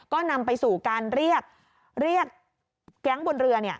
ก็นำไปสู่การเรียกแก๊งบนเรือ